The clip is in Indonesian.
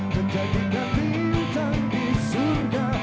menjadikan bintang di surga